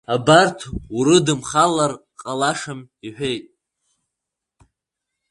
Абарҭ урыдымхалар ҟалашам, — иҳәеит.